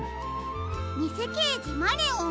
「にせけいじマネオン